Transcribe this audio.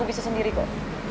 gua bisa sendiri kok